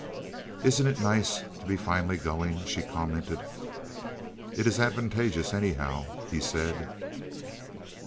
"Isn't it nice to be finally going?" she commented. "It is advantageous, anyhow," he said.